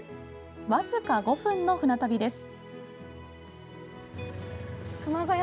僅か５分の船旅です。